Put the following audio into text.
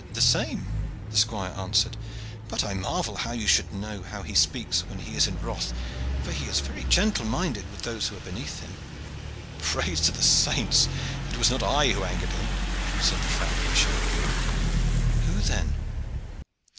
"The same," the squire answered. "But I marvel how you should know how he speaks when he is in wrath, for he is very gentle minded with those who are beneath him." "Praise to the saints! it was not I who angered him," said the fat Michel. "Who, then?"